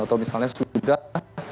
atau misalnya sudah